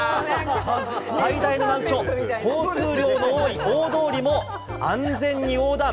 最大の難所・交通量の多い大通りも安全に横断。